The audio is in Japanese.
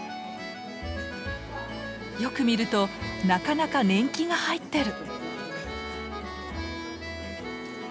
よく見るとなかなか年季が入ってる。